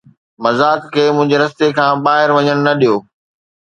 مذاق کي منهنجي رستي کان ٻاهر وڃڻ نه ڏيو